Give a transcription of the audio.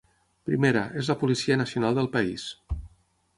Primera: és la policia nacional del país.